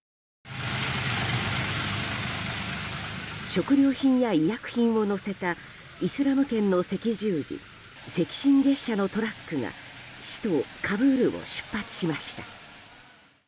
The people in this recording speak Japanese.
食料品や医薬品を載せたイスラム圏の赤十字赤新月社のトラックが首都カブールを出発しました。